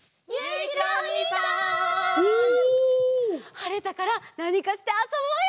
はれたからなにかしてあそぼうよ！